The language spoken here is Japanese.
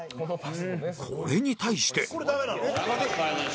これに対して